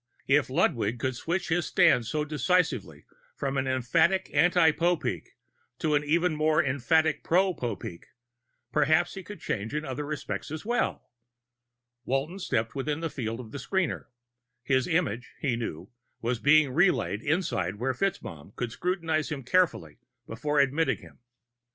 If Ludwig could switch his stand so decisively from an emphatic anti Popeek to an even more emphatic pro Popeek, perhaps he could change in other respects as well. Walton stepped within the field of the screener. His image, he knew, was being relayed inside where FitzMaugham could scrutinize him carefully before admitting him.